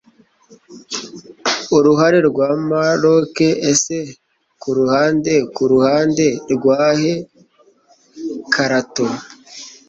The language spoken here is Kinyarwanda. Uruhare rwa Maroc Ese Kuruhande Kuruhande rwahe karato?